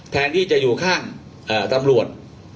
แทนที่จะอยู่ข้างตำรวจ